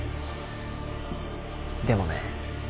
でもね